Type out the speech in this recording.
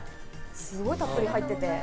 すごいたっぷり入ってて。